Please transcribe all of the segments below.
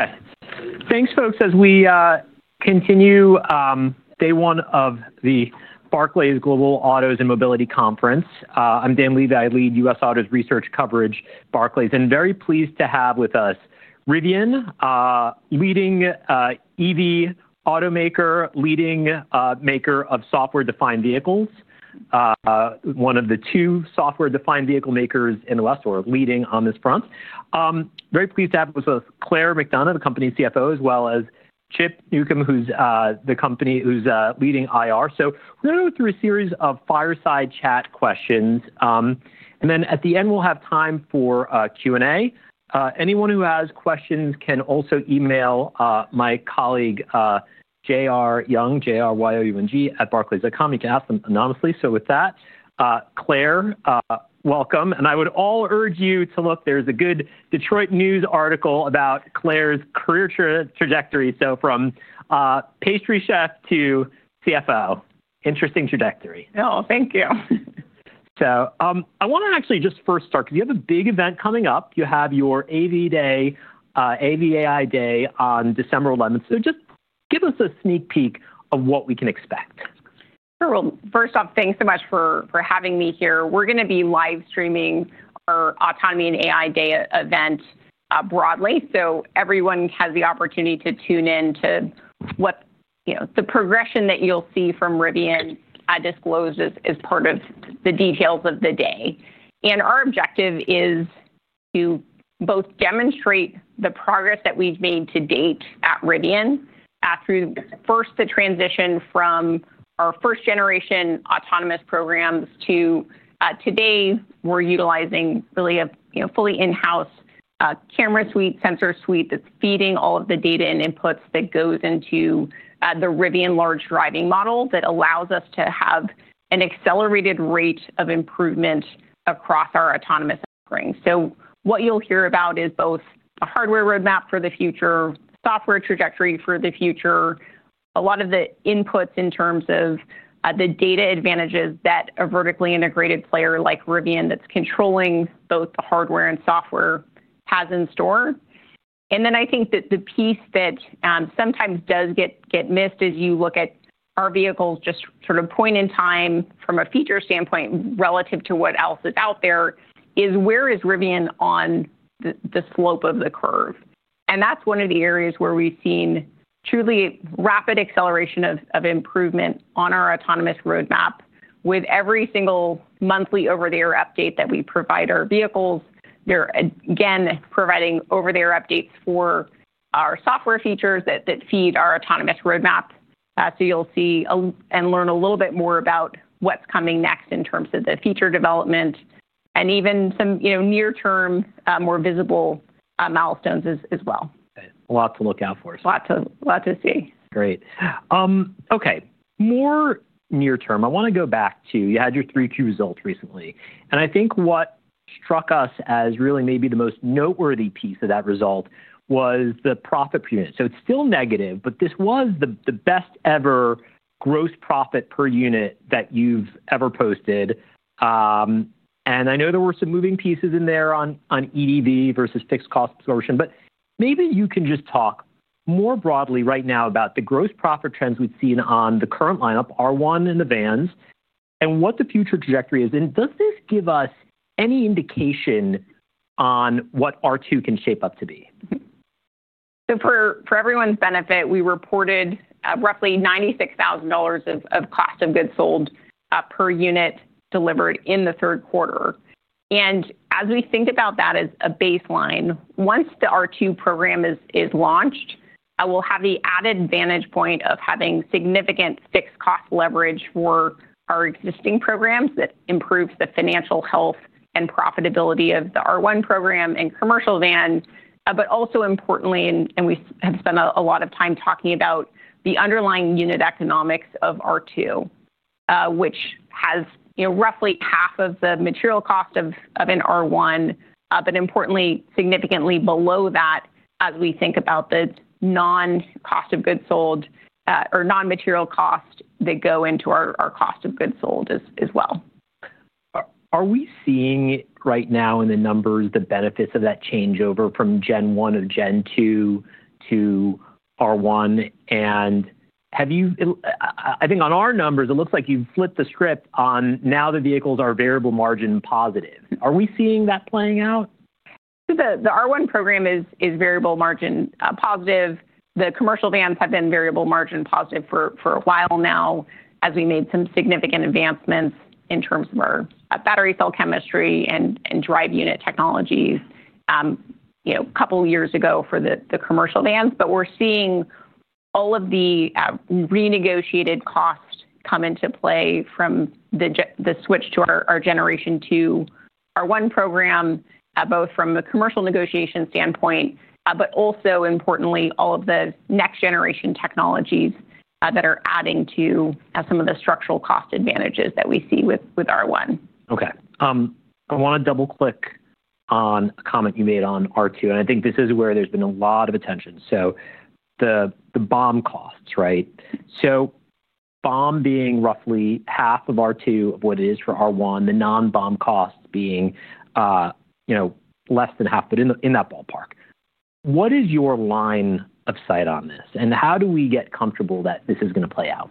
Okay. Thanks, folks. As we continue day one of the Barclays Global Autos and Mobility Conference, I'm Dan Levy. I lead U.S. Autos Research coverage at Barclays, and I'm very pleased to have with us Rivian, leading EV automaker, leading maker of software-defined vehicles, one of the two software-defined vehicle makers in the U.S., or leading on this front. Very pleased to have with us Claire McDonough, the company CFO, as well as Chip Newcomb, who's the company who's leading IR. So we're going to go through a series of fireside chat questions, and then at the end, we'll have time for Q&A. Anyone who has questions can also email my colleague J.R. Young, J-R-Y-O-U-N-G, at Barclays.com. You can ask them anonymously. With that, Claire, welcome. I would all urge you to look. There's a good Detroit News article about Claire's career trajectory, so from pastry chef to CFO. Interesting trajectory. Oh, thank you. I want to actually just first start, because you have a big event coming up. You have your AV Day, AV AI Day on December 11. Just give us a sneak peek of what we can expect. Sure. First off, thanks so much for having me here. We're going to be live streaming our Autonomy and AI Day event broadly, so everyone has the opportunity to tune in to the progression that you'll see from Rivian disclosed as part of the details of the day. Our objective is to both demonstrate the progress that we've made to date at Rivian, through first the transition from our first-generation autonomous programs to today, we're utilizing really a fully in-house camera suite, sensor suite that's feeding all of the data and inputs that goes into the Rivian large driving model that allows us to have an accelerated rate of improvement across our autonomous offering. What you'll hear about is both the hardware roadmap for the future, software trajectory for the future, a lot of the inputs in terms of the data advantages that a vertically integrated player like Rivian that's controlling both the hardware and software has in store. I think that the piece that sometimes does get missed as you look at our vehicles just sort of point in time from a feature standpoint relative to what else is out there is where is Rivian on the slope of the curve? That's one of the areas where we've seen truly rapid acceleration of improvement on our autonomous roadmap with every single monthly over-the-air update that we provide our vehicles. They're, again, providing over-the-air updates for our software features that feed our autonomous roadmap. You'll see and learn a little bit more about what's coming next in terms of the feature development and even some near-term, more visible milestones as well. A lot to look out for. A lot to see. Great. Okay. More near-term, I want to go back to you had your three key results recently. I think what struck us as really maybe the most noteworthy piece of that result was the profit per unit. It's still negative, but this was the best ever gross profit per unit that you've ever posted. I know there were some moving pieces in there on EDV versus fixed cost absorption, but maybe you can just talk more broadly right now about the gross profit trends we've seen on the current lineup, R1 and the vans, and what the future trajectory is. Does this give us any indication on what R2 can shape up to be? For everyone's benefit, we reported roughly $96,000 of cost of goods sold per unit delivered in the third quarter. As we think about that as a baseline, once the R2 program is launched, we'll have the added vantage point of having significant fixed cost leverage for our existing programs that improves the financial health and profitability of the R1 program and commercial vans, but also importantly, we have spent a lot of time talking about the underlying unit economics of R2, which has roughly half of the material cost of an R1, but importantly, significantly below that as we think about the non-cost of goods sold or non-material cost that go into our cost of goods sold as well. Are we seeing right now in the numbers the benefits of that changeover from Gen 1 and Gen 2 to R1? I think on our numbers, it looks like you've flipped the script on now the vehicles are variable margin positive. Are we seeing that playing out? The R1 program is variable margin positive. The commercial vans have been variable margin positive for a while now as we made some significant advancements in terms of our battery cell chemistry and drive unit technologies a couple of years ago for the commercial vans. We are seeing all of the renegotiated costs come into play from the switch to our Generation 2 R1 program, both from a commercial negotiation standpoint, but also, importantly, all of the next-generation technologies that are adding to some of the structural cost advantages that we see with R1. Okay. I want to double-click on a comment you made on R2. I think this is where there's been a lot of attention. The BOM costs, right? BOM being roughly half of R2 of what it is for R1, the non-BOM costs being less than half, but in that ballpark. What is your line of sight on this? How do we get comfortable that this is going to play out?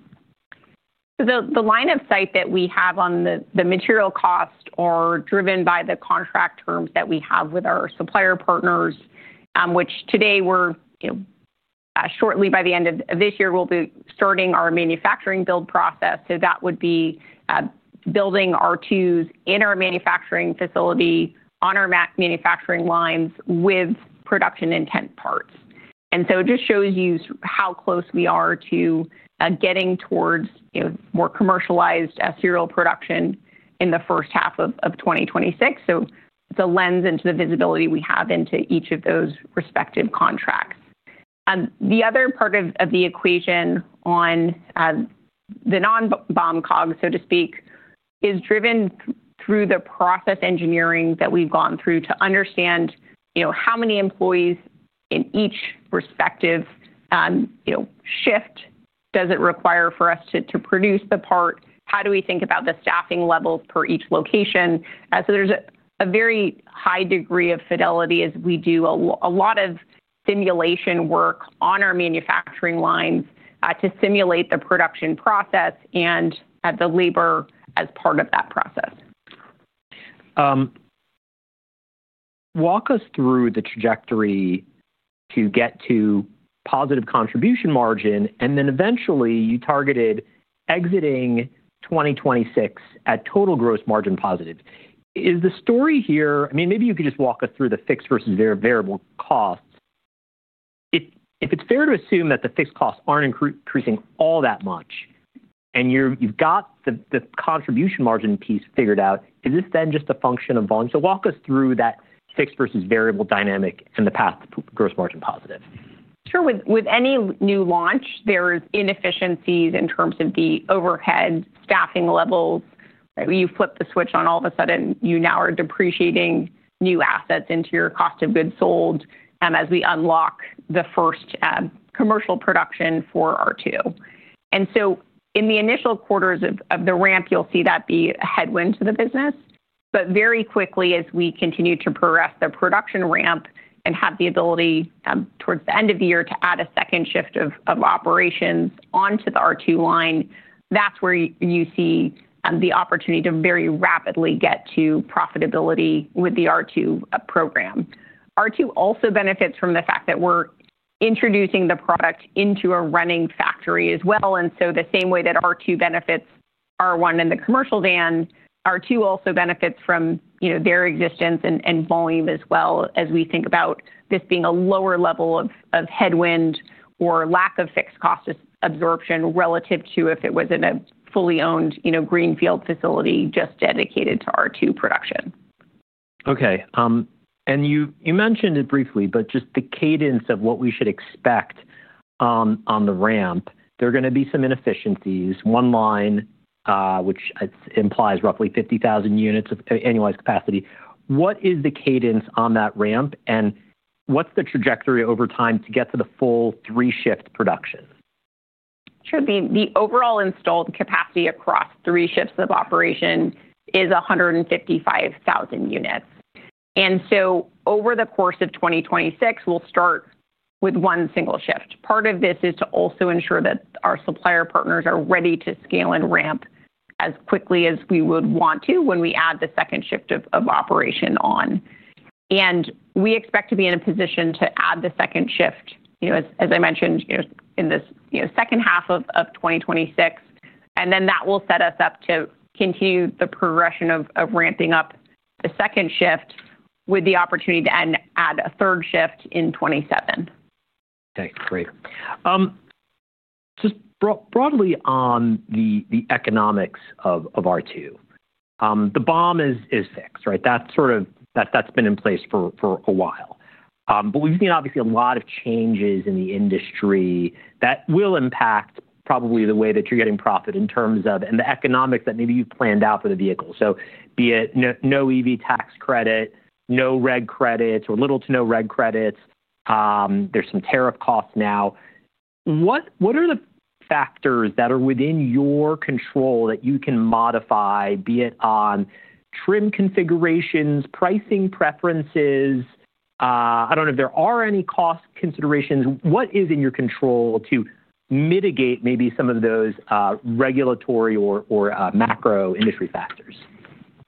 The line of sight that we have on the material costs are driven by the contract terms that we have with our supplier partners, which today we're shortly by the end of this year, we'll be starting our manufacturing build process. That would be building R2s in our manufacturing facility on our manufacturing lines with production intent parts. It just shows you how close we are to getting towards more commercialized serial production in the first half of 2026. It is a lens into the visibility we have into each of those respective contracts. The other part of the equation on the non-BOM COGS, so to speak, is driven through the process engineering that we've gone through to understand how many employees in each respective shift does it require for us to produce the part? How do we think about the staffing levels per each location? There is a very high degree of fidelity as we do a lot of simulation work on our manufacturing lines to simulate the production process and the labor as part of that process. Walk us through the trajectory to get to positive contribution margin, and then eventually you targeted exiting 2026 at total gross margin positive. Is the story here, I mean, maybe you could just walk us through the fixed versus variable costs. If it's fair to assume that the fixed costs aren't increasing all that much and you've got the contribution margin piece figured out, is this then just a function of volume? Walk us through that fixed versus variable dynamic and the path to gross margin positive. Sure. With any new launch, there are inefficiencies in terms of the overhead staffing levels. You flip the switch on, all of a sudden, you now are depreciating new assets into your cost of goods sold as we unlock the first commercial production for R2. In the initial quarters of the ramp, you'll see that be a headwind to the business. Very quickly, as we continue to progress the production ramp and have the ability towards the end of the year to add a second shift of operations onto the R2 line, that's where you see the opportunity to very rapidly get to profitability with the R2 program. R2 also benefits from the fact that we're introducing the product into a running factory as well. The same way that R2 benefits R1 and the commercial vans, R2 also benefits from their existence and volume as well as we think about this being a lower level of headwind or lack of fixed cost absorption relative to if it was in a fully owned greenfield facility just dedicated to R2 production. Okay. You mentioned it briefly, but just the cadence of what we should expect on the ramp. There are going to be some inefficiencies. One line, which implies roughly 50,000 units of annualized capacity. What is the cadence on that ramp? What is the trajectory over time to get to the full three-shift production? Sure. The overall installed capacity across three shifts of operation is 155,000 units. Over the course of 2026, we'll start with one single shift. Part of this is to also ensure that our supplier partners are ready to scale and ramp as quickly as we would want to when we add the second shift of operation on. We expect to be in a position to add the second shift, as I mentioned, in the second half of 2026. That will set us up to continue the progression of ramping up the second shift with the opportunity to add a third shift in 2027. Okay. Great. Just broadly on the economics of R2, the BOM is fixed, right? That's been in place for a while. We've seen, obviously, a lot of changes in the industry that will impact probably the way that you're getting profit in terms of and the economics that maybe you've planned out for the vehicle. Be it no EV tax credit, no reg credits, or little to no reg credits. There's some tariff costs now. What are the factors that are within your control that you can modify, be it on trim configurations, pricing preferences? I don't know if there are any cost considerations. What is in your control to mitigate maybe some of those regulatory or macro industry factors?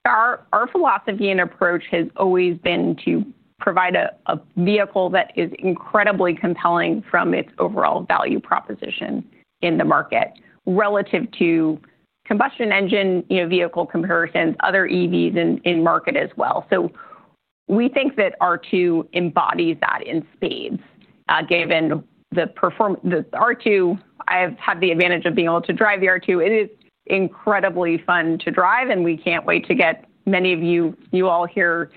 Our philosophy and approach has always been to provide a vehicle that is incredibly compelling from its overall value proposition in the market relative to combustion engine vehicle comparisons, other EVs in market as well. We think that R2 embodies that in spades. Given the R2, I have had the advantage of being able to drive the R2. It is incredibly fun to drive, and we can't wait to get many of you all here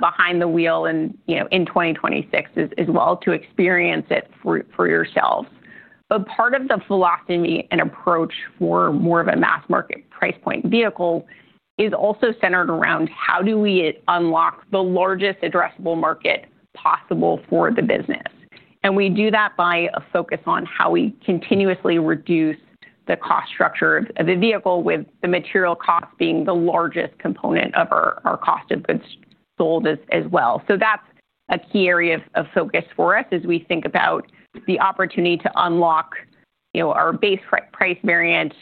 behind the wheel in 2026 as well to experience it for yourselves. Part of the philosophy and approach for more of a mass market price point vehicle is also centered around how do we unlock the largest addressable market possible for the business. We do that by a focus on how we continuously reduce the cost structure of the vehicle, with the material cost being the largest component of our cost of goods sold as well. That is a key area of focus for us as we think about the opportunity to unlock our base price variant,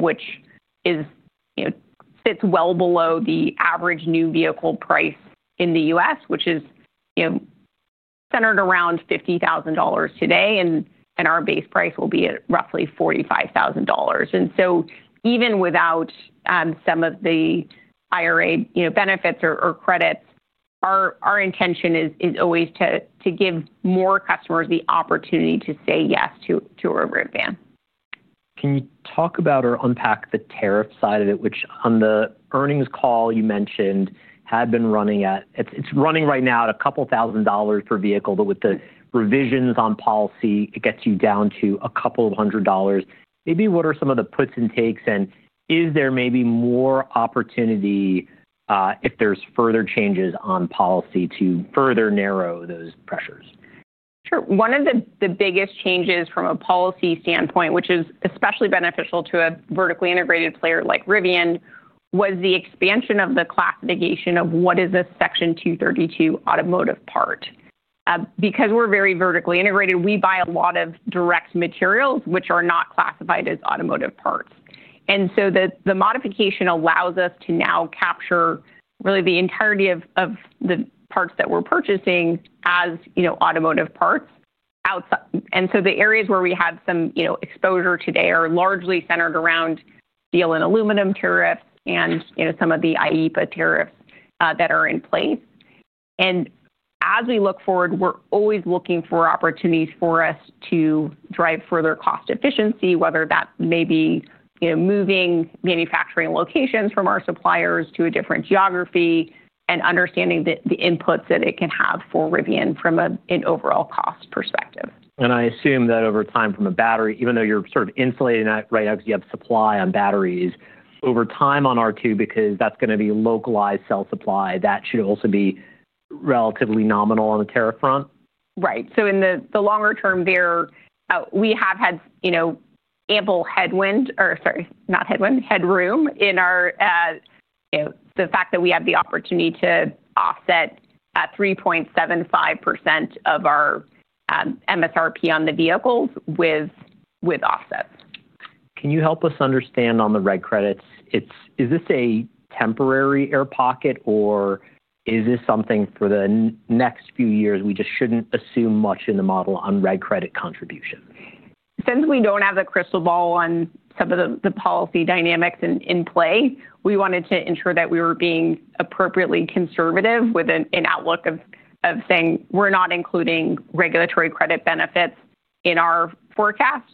which sits well below the average new vehicle price in the US, which is centered around $50,000 today, and our base price will be at roughly $45,000. Even without some of the IRA benefits or credits, our intention is always to give more customers the opportunity to say yes to a Rivian. Can you talk about or unpack the tariff side of it, which on the earnings call you mentioned had been running at it's running right now at a couple thousand dollars per vehicle, but with the revisions on policy, it gets you down to a couple of hundred dollars. Maybe what are some of the puts and takes, and is there maybe more opportunity if there's further changes on policy to further narrow those pressures? Sure. One of the biggest changes from a policy standpoint, which is especially beneficial to a vertically integrated player like Rivian, was the expansion of the classification of what is a Section 232 automotive part. Because we're very vertically integrated, we buy a lot of direct materials, which are not classified as automotive parts. The modification allows us to now capture really the entirety of the parts that we're purchasing as automotive parts. The areas where we have some exposure today are largely centered around steel and aluminum tariffs and some of the IEPA tariffs that are in place. As we look forward, we're always looking for opportunities for us to drive further cost efficiency, whether that may be moving manufacturing locations from our suppliers to a different geography and understanding the inputs that it can have for Rivian from an overall cost perspective. I assume that over time from a battery, even though you're sort of insulating that right now because you have supply on batteries, over time on R2, because that's going to be localized cell supply, that should also be relatively nominal on the tariff front? Right. In the longer term there, we have had ample headroom in the fact that we have the opportunity to offset 3.75% of our MSRP on the vehicles with offsets. Can you help us understand on the reg credits? Is this a temporary air pocket, or is this something for the next few years we just shouldn't assume much in the model on reg credit contribution? Since we don't have the crystal ball on some of the policy dynamics in play, we wanted to ensure that we were being appropriately conservative with an outlook of saying we're not including regulatory credit benefits in our forecast.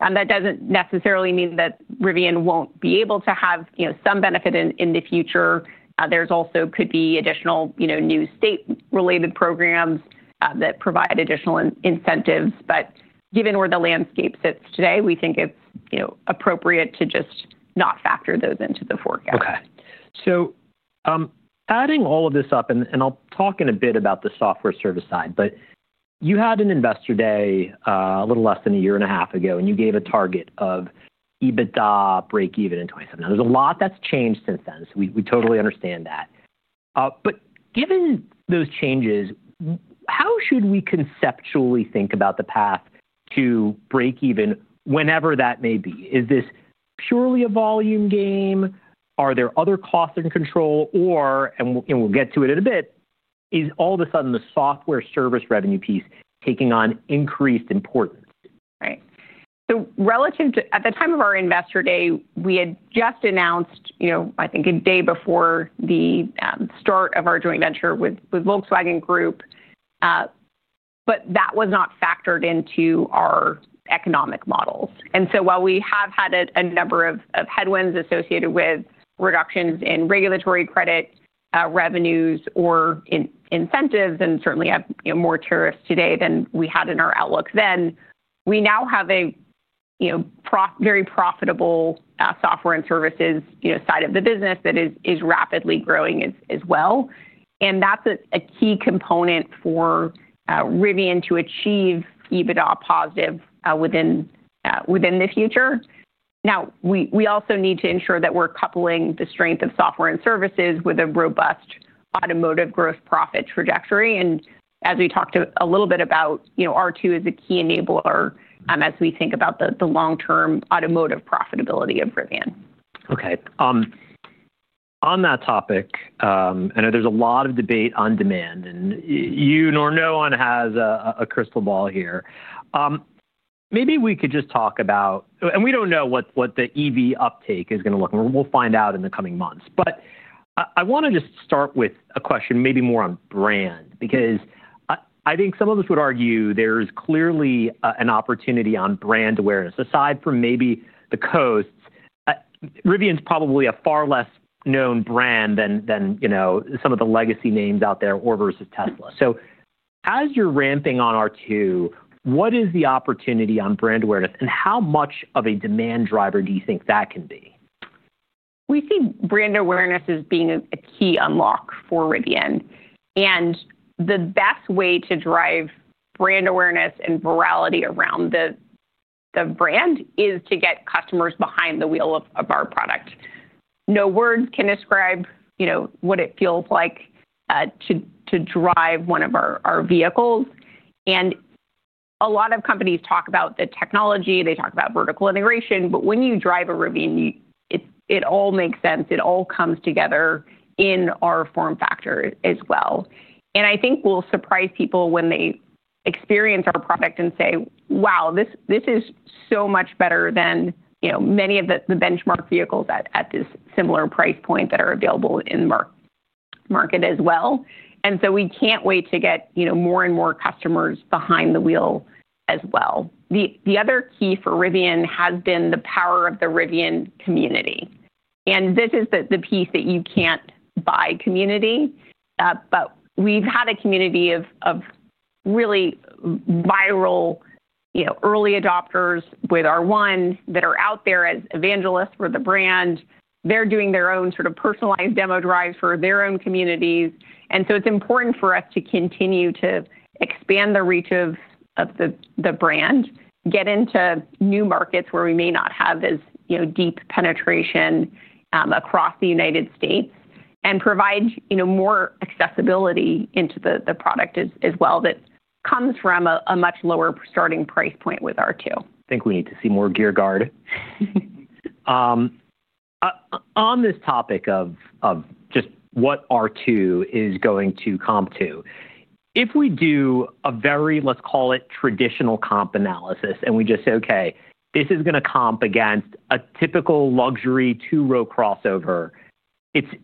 That doesn't necessarily mean that Rivian won't be able to have some benefit in the future. There also could be additional new state-related programs that provide additional incentives. Given where the landscape sits today, we think it's appropriate to just not factor those into the forecast. Okay. Adding all of this up, and I'll talk in a bit about the software service side, you had an investor day a little less than a year and a half ago, and you gave a target of EBITDA break-even in 2027. Now, there's a lot that's changed since then, so we totally understand that. Given those changes, how should we conceptually think about the path to break-even whenever that may be? Is this purely a volume game? Are there other costs in control? Or, and we'll get to it in a bit, is all of a sudden the software service revenue piece taking on increased importance? Right. At the time of our investor day, we had just announced, I think a day before, the start of our joint venture with Volkswagen Group, but that was not factored into our economic models. While we have had a number of headwinds associated with reductions in regulatory credit revenues or incentives and certainly have more tariffs today than we had in our outlook then, we now have a very profitable software and services side of the business that is rapidly growing as well. That is a key component for Rivian to achieve EBITDA positive within the future. We also need to ensure that we're coupling the strength of software and services with a robust automotive gross profit trajectory. As we talked a little bit about, R2 is a key enabler as we think about the long-term automotive profitability of Rivian. Okay. On that topic, I know there's a lot of debate on demand, and you nor no one has a crystal ball here. Maybe we could just talk about, and we don't know what the EV uptake is going to look like. We'll find out in the coming months. I want to just start with a question maybe more on brand because I think some of us would argue there's clearly an opportunity on brand awareness aside from maybe the coasts. Rivian's probably a far less known brand than some of the legacy names out there or versus Tesla. As you're ramping on R2, what is the opportunity on brand awareness, and how much of a demand driver do you think that can be? We see brand awareness as being a key unlock for Rivian. The best way to drive brand awareness and virality around the brand is to get customers behind the wheel of our product. No words can describe what it feels like to drive one of our vehicles. A lot of companies talk about the technology. They talk about vertical integration. When you drive a Rivian, it all makes sense. It all comes together in our form factor as well. I think we'll surprise people when they experience our product and say, "Wow, this is so much better than many of the benchmark vehicles at this similar price point that are available in the market as well." We can't wait to get more and more customers behind the wheel as well. The other key for Rivian has been the power of the Rivian community. This is the piece that you can't buy: community. We've had a community of really viral early adopters with R1 that are out there as evangelists for the brand. They're doing their own sort of personalized demo drives for their own communities. It is important for us to continue to expand the reach of the brand, get into new markets where we may not have as deep penetration across the U.S., and provide more accessibility into the product as well that comes from a much lower starting price point with R2. I think we need to see more Gear Guard. On this topic of just what R2 is going to comp to, if we do a very, let's call it traditional comp analysis, and we just say, "Okay, this is going to comp against a typical luxury two-row crossover,"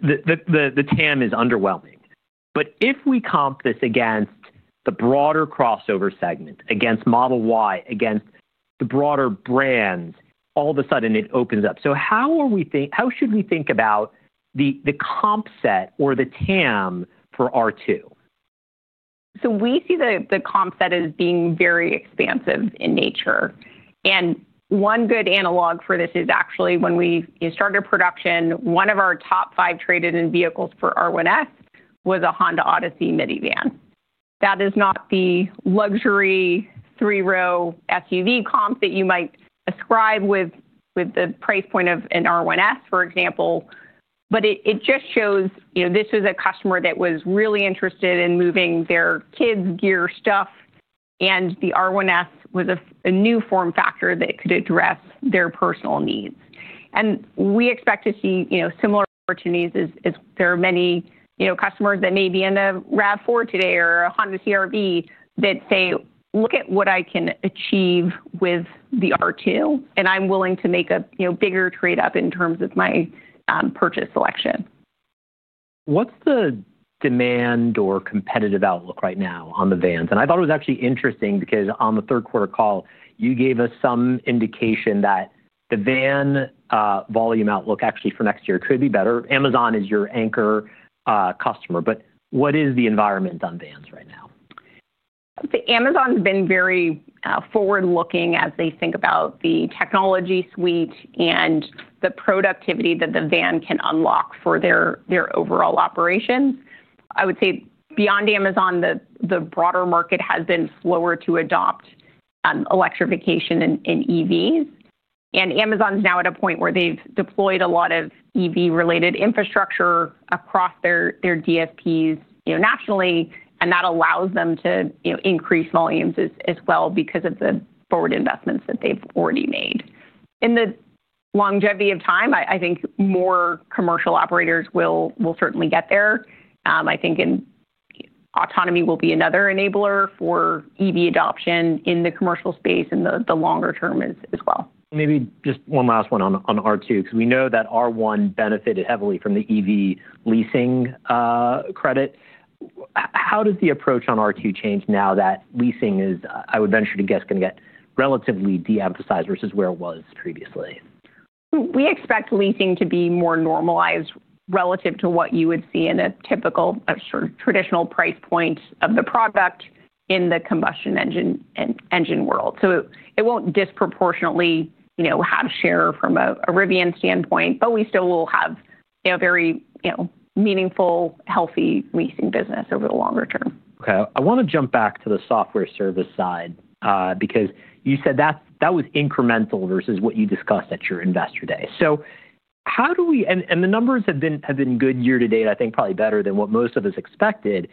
the TAM is underwhelming. If we comp this against the broader crossover segment, against Model Y, against the broader brands, all of a sudden it opens up. How should we think about the comp set or the TAM for R2? We see the comp set as being very expansive in nature. One good analog for this is actually when we started production, one of our top five traded-in vehicles for R1S was a Honda Odyssey minivan. That is not the luxury three-row SUV comp that you might ascribe with the price point of an R1S, for example. It just shows this was a customer that was really interested in moving their kids' gear, stuff, and the R1S was a new form factor that could address their personal needs. We expect to see similar opportunities as there are many customers that may be in a RAV4 today or a Honda CR-V that say, "Look at what I can achieve with the R2, and I'm willing to make a bigger trade-up in terms of my purchase selection. What's the demand or competitive outlook right now on the vans? I thought it was actually interesting because on the third quarter call, you gave us some indication that the van volume outlook actually for next year could be better. Amazon is your anchor customer. What is the environment on vans right now? Amazon's been very forward-looking as they think about the technology suite and the productivity that the van can unlock for their overall operations. I would say beyond Amazon, the broader market has been slower to adopt electrification in EVs. Amazon's now at a point where they've deployed a lot of EV-related infrastructure across their DSPs nationally, and that allows them to increase volumes as well because of the forward investments that they've already made. In the longevity of time, I think more commercial operators will certainly get there. I think autonomy will be another enabler for EV adoption in the commercial space in the longer term as well. Maybe just one last one on R2 because we know that R1 benefited heavily from the EV leasing credit. How does the approach on R2 change now that leasing is, I would venture to guess, going to get relatively de-emphasized versus where it was previously? We expect leasing to be more normalized relative to what you would see in a typical traditional price point of the product in the combustion engine world. It will not disproportionately have share from a Rivian standpoint, but we still will have a very meaningful, healthy leasing business over the longer term. Okay. I want to jump back to the software service side because you said that was incremental versus what you discussed at your investor day. How do we—and the numbers have been good year to date, I think probably better than what most of us expected.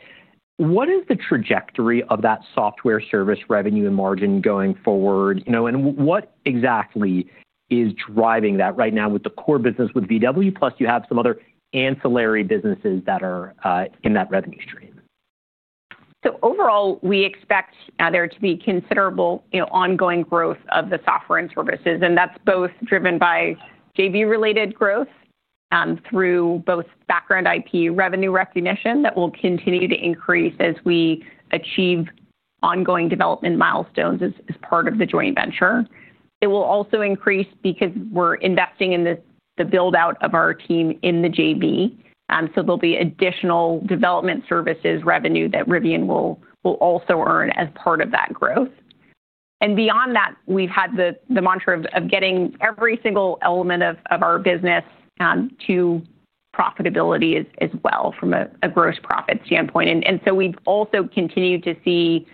What is the trajectory of that software service revenue and margin going forward? What exactly is driving that right now with the core business with VW, plus you have some other ancillary businesses that are in that revenue stream? Overall, we expect there to be considerable ongoing growth of the software and services. That's both driven by JV-related growth through both background IP revenue recognition that will continue to increase as we achieve ongoing development milestones as part of the joint venture. It will also increase because we're investing in the build-out of our team in the JV. There will be additional development services revenue that Rivian will also earn as part of that growth. Beyond that, we've had the mantra of getting every single element of our business to profitability as well from a gross profit standpoint. We've also continued to see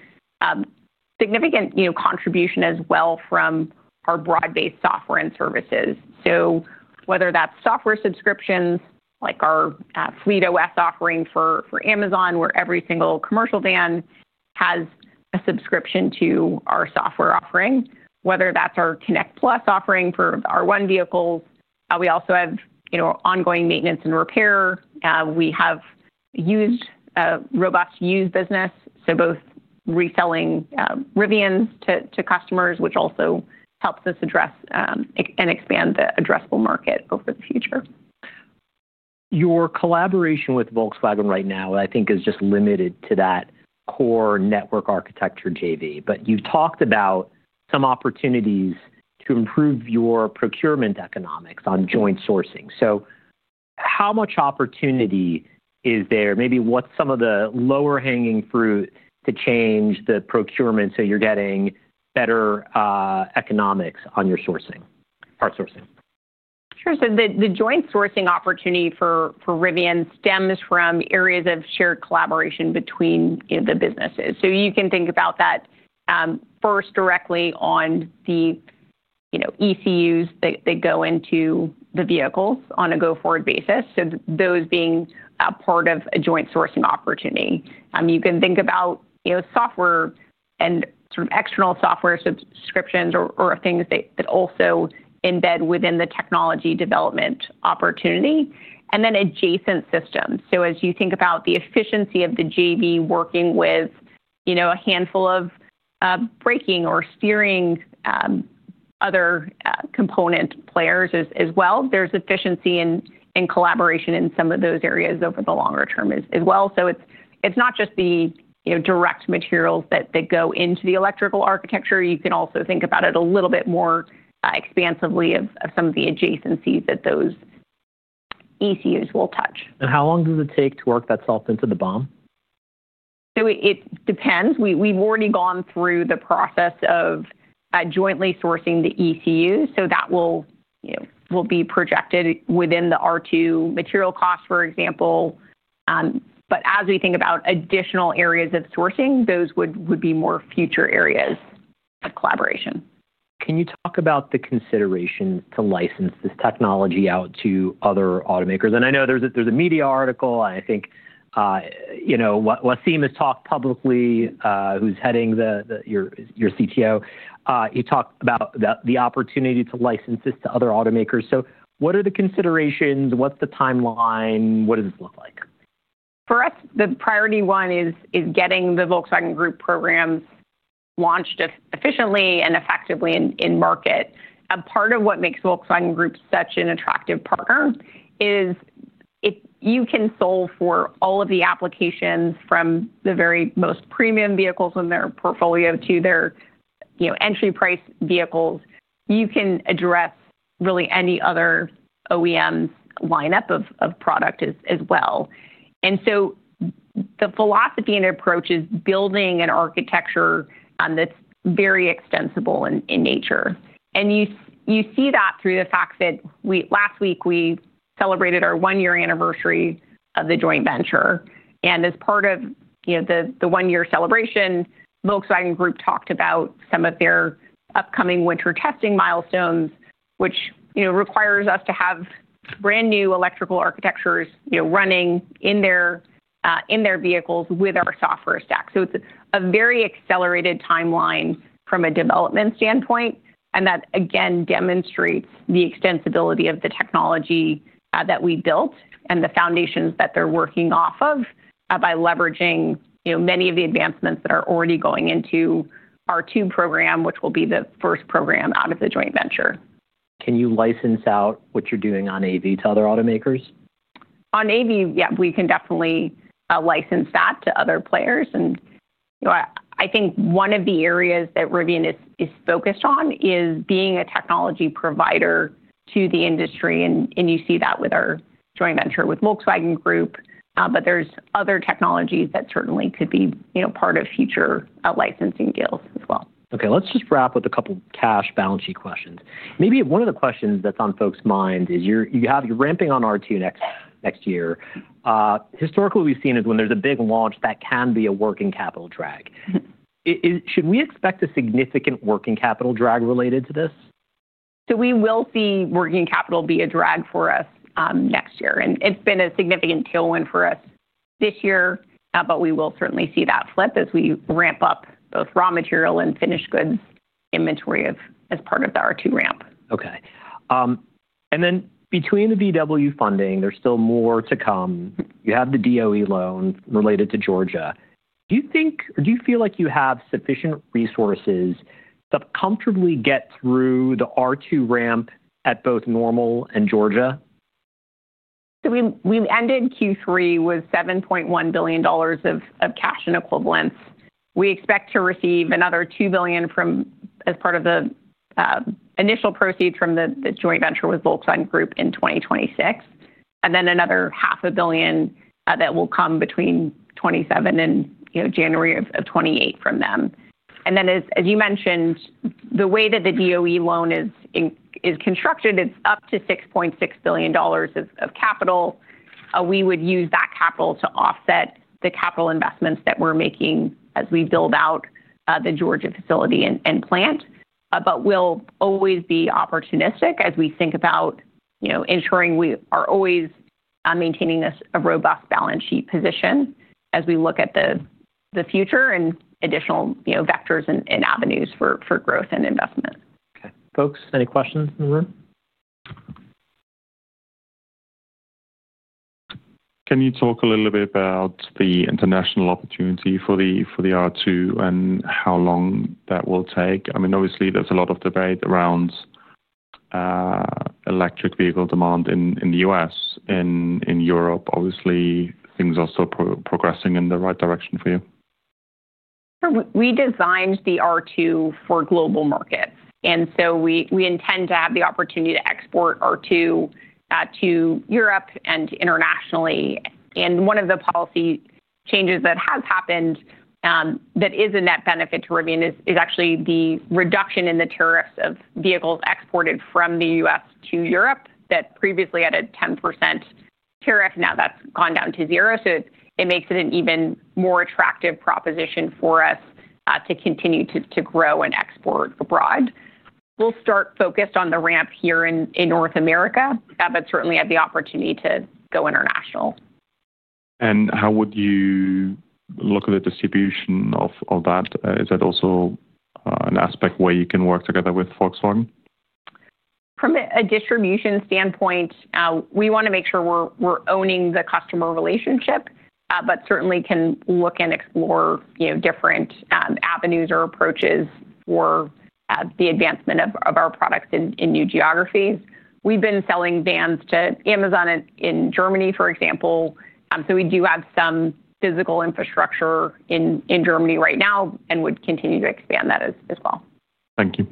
significant contribution as well from our broad-based software and services. Whether that's software subscriptions like our FleetOS offering for Amazon, where every single commercial van has a subscription to our software offering, whether that's our Connect Plus offering for R1 vehicles. We also have ongoing maintenance and repair. We have used a robust used business, so both reselling Rivians to customers, which also helps us address and expand the addressable market over the future. Your collaboration with Volkswagen right now, I think, is just limited to that core network architecture JV. You have talked about some opportunities to improve your procurement economics on joint sourcing. How much opportunity is there? Maybe what is some of the lower-hanging fruit to change the procurement so you are getting better economics on your sourcing, part sourcing? Sure. The joint sourcing opportunity for Rivian stems from areas of shared collaboration between the businesses. You can think about that first directly on the ECUs that go into the vehicles on a go-forward basis, those being a part of a joint sourcing opportunity. You can think about software and sort of external software subscriptions or things that also embed within the technology development opportunity, and then adjacent systems. As you think about the efficiency of the JV working with a handful of braking or steering other component players as well, there is efficiency in collaboration in some of those areas over the longer term as well. It is not just the direct materials that go into the electrical architecture. You can also think about it a little bit more expansively, some of the adjacencies that those ECUs will touch. How long does it take to work that off into the BOM? It depends. We've already gone through the process of jointly sourcing the ECUs. That will be projected within the R2 material cost, for example. As we think about additional areas of sourcing, those would be more future areas of collaboration. Can you talk about the consideration to license this technology out to other automakers? I know there's a media article. I think Wassym has talked publicly, who's heading your CTO. He talked about the opportunity to license this to other automakers. What are the considerations? What's the timeline? What does it look like? For us, the priority one is getting the Volkswagen Group programs launched efficiently and effectively in market. Part of what makes Volkswagen Group such an attractive partner is if you can solve for all of the applications from the very most premium vehicles in their portfolio to their entry-price vehicles, you can address really any other OEM's lineup of product as well. The philosophy and approach is building an architecture that's very extensible in nature. You see that through the fact that last week we celebrated our one-year anniversary of the joint venture. As part of the one-year celebration, Volkswagen Group talked about some of their upcoming winter testing milestones, which requires us to have brand new electrical architectures running in their vehicles with our software stack. It is a very accelerated timeline from a development standpoint. That, again, demonstrates the extensibility of the technology that we built and the foundations that they're working off of by leveraging many of the advancements that are already going into our R2 program, which will be the first program out of the joint venture. Can you license out what you're doing on AV to other automakers? On AV, yeah, we can definitely license that to other players. I think one of the areas that Rivian is focused on is being a technology provider to the industry. You see that with our joint venture with Volkswagen Group. There are other technologies that certainly could be part of future licensing deals as well. Okay. Let's just wrap with a couple of cash balance sheet questions. Maybe one of the questions that's on folks' minds is you're ramping on R2 next year. Historically, we've seen it when there's a big launch that can be a working capital drag. Should we expect a significant working capital drag related to this? We will see working capital be a drag for us next year. It has been a significant tailwind for us this year, but we will certainly see that flip as we ramp up both raw material and finished goods inventory as part of the R2 ramp. Okay. Between the VW funding, there's still more to come. You have the DOE loan related to Georgia. Do you think, or do you feel like you have sufficient resources to comfortably get through the R2 ramp at both Normal and Georgia? We ended Q3 with $7.1 billion of cash and equivalents. We expect to receive another $2 billion as part of the initial proceeds from the joint venture with Volkswagen Group in 2026, and then another $500 billion that will come between 2027 and January of 2028 from them. As you mentioned, the way that the DOE loan is constructed, it is up to $6.6 billion of capital. We would use that capital to offset the capital investments that we are making as we build out the Georgia facility and plant. We will always be opportunistic as we think about ensuring we are always maintaining a robust balance sheet position as we look at the future and additional vectors and avenues for growth and investment. Okay. Folks, any questions in the room? Can you talk a little bit about the international opportunity for the R2 and how long that will take? I mean, obviously, there's a lot of debate around electric vehicle demand in the U.S. In Europe, obviously, things are still progressing in the right direction for you? We designed the R2 for global markets. We intend to have the opportunity to export R2 to Europe and internationally. One of the policy changes that has happened that is a net benefit to Rivian is actually the reduction in the tariffs of vehicles exported from the US to Europe that previously had a 10% tariff. Now that's gone down to zero. It makes it an even more attractive proposition for us to continue to grow and export abroad. We'll start focused on the ramp here in North America, but certainly have the opportunity to go international. How would you look at the distribution of that? Is that also an aspect where you can work together with Volkswagen? From a distribution standpoint, we want to make sure we're owning the customer relationship, but certainly can look and explore different avenues or approaches for the advancement of our products in new geographies. We've been selling vans to Amazon in Germany, for example. We do have some physical infrastructure in Germany right now and would continue to expand that as well. Thank you.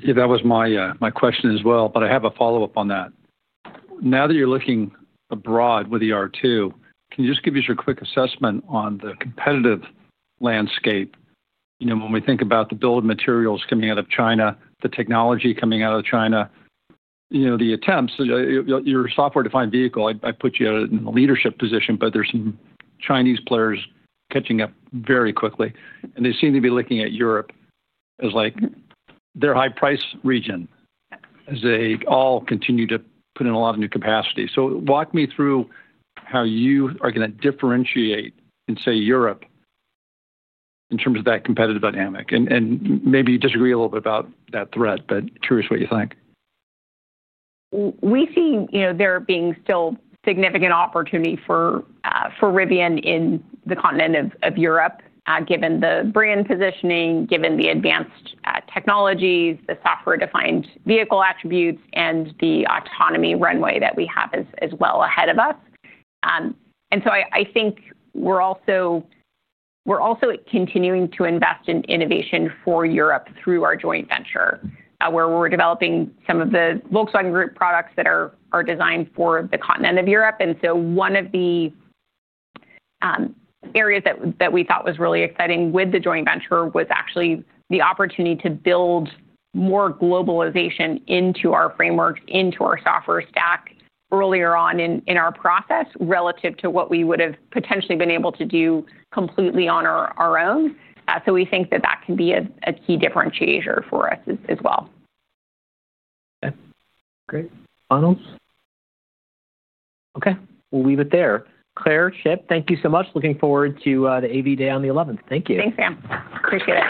Yeah, that was my question as well, but I have a follow-up on that. Now that you're looking abroad with the R2, can you just give us your quick assessment on the competitive landscape? When we think about the bill of materials coming out of China, the technology coming out of China, the attempts, your software-defined vehicle, I put you in a leadership position, but there's some Chinese players catching up very quickly. They seem to be looking at Europe as like their high-price region as they all continue to put in a lot of new capacity. Walk me through how you are going to differentiate and say Europe in terms of that competitive dynamic. Maybe you disagree a little bit about that thread, but curious what you think. We see there being still significant opportunity for Rivian in the continent of Europe, given the brand positioning, given the advanced technologies, the software-defined vehicle attributes, and the autonomy runway that we have as well ahead of us. I think we're also continuing to invest in innovation for Europe through our joint venture, where we're developing some of the Volkswagen Group products that are designed for the continent of Europe. One of the areas that we thought was really exciting with the joint venture was actually the opportunity to build more globalization into our frameworks, into our software stack earlier on in our process relative to what we would have potentially been able to do completely on our own. We think that that can be a key differentiator for us as well. Okay. Great. Finals? Okay. We'll leave it there. Claire, Chip, thank you so much. Looking forward to the AV Day on the 11th. Thank you. Thanks, Dan. Appreciate it.